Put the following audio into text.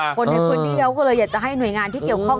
คนใหญ่คุณที่เลี้ยวก็เลยอยากจะให้หน่วยงานที่เกี่ยวข้อง